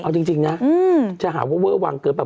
เอาจริงนะจะหาว่าเวอร์วังเกินป่